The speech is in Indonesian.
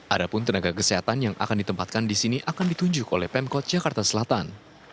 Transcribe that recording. ada pun tenaga kesehatan yang akan ditempatkan di sini akan ditunjuk oleh pemkot jakarta selatan